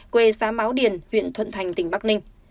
quê xã máo điền huyện thuận thành tỉnh bắc ninh